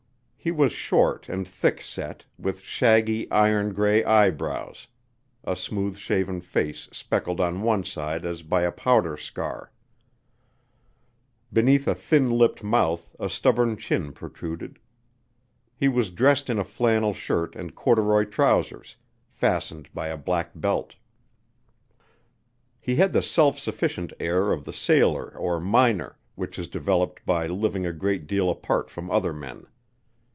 He was short and thick set, with shaggy, iron gray eyebrows, a smooth shaven face speckled on one side as by a powder scar. Beneath a thin lipped mouth a stubborn chin protruded. He was dressed in a flannel shirt and corduroy trousers, fastened by a black belt. He had the self sufficient air of the sailor or miner, which is developed by living a great deal apart from other men.